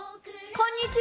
こんにちは。